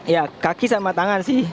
ya kaki sama tangan sih